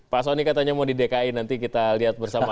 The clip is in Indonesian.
pak soni katanya mau di dki nanti kita lihat bersama